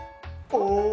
お！